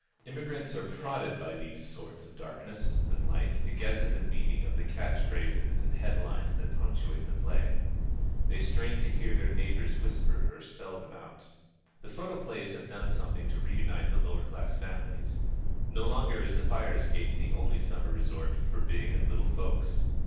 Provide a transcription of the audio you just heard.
Immigrants are prodded by these swords of darkness and light to guess at the meaning of the catch phrases and headlines that punctuate the play. They strain to hear their neighbors whisper or spell them out. The photoplays have done something to reunite the lower class families. No longer is the fire escape the only summer resort for big and little folks.